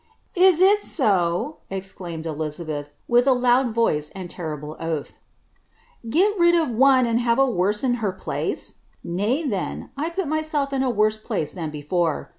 " Is it so ?" exclaimed Elizabeth, with a loud voice, and terrible oai' "get rid of one and have a worse in her place? Kay, then, 1 p mvself in a worse place than before.